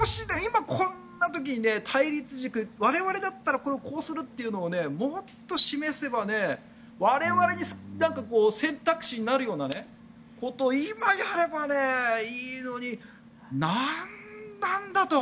少しでいい、今こんな時に対立軸、我々だったらこうするっていうのをもっと示せば我々に選択肢になるようなことを今やればいいのに何なんだと。